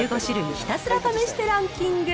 ひたすら試してランキング。